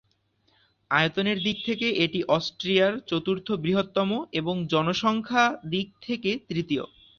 আয়তনের দিক থেকে এটি অস্ট্রিয়ার চতুর্থ বৃহত্তম এবং জনসংখ্যা দিক থেকে তৃতীয়।